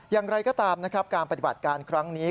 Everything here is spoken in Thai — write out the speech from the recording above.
อย่างไรก็ตามนะครับการปฏิบัติการครั้งนี้